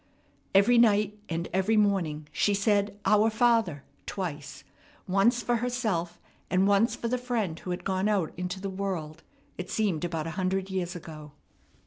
Every night and every morning she said "Our Father" twice, once for herself and once for the friend who had gone out into the world, it seemed about a hundred years ago.